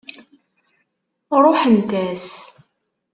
Ṛuḥent-as.